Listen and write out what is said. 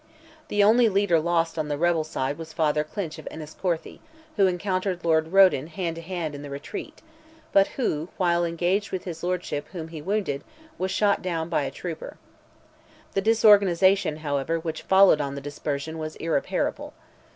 The only leader lost on the rebel side was Father Clinch of Enniscorthy, who encountered Lord Roden hand to hand in the retreat, but who, while engaged with his lordship whom he wounded, was shot down by a trooper. The disorganization, however, which followed on the dispersion, was irreparable.